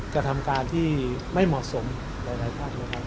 กระทำการที่ไม่เหมาะสมหลายภาคนะครับ